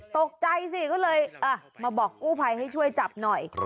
ตกใจสิก็เลยมาบอกกู้ภัยให้ช่วยจับหน่อย